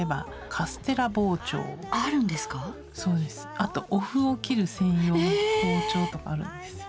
あとお麩を切る専用の包丁ええ！とかあるんですよ。